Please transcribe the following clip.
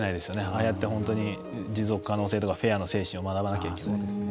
ああやって本当に持続可能性とかフェアの精神を学ばなきゃいけない。